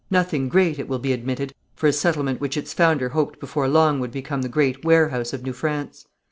Nothing great, it will be admitted, for a settlement which its founder hoped before long would become the great warehouse of New France.